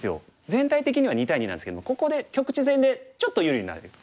全体的には２対２なんですけどここで局地戦でちょっと優位になれる。